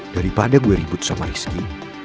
daripada gue ribut sama rizky